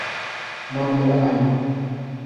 نہ ملاح ہے۔